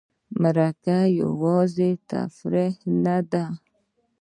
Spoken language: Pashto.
مرکه یوازې تفریح نه ده.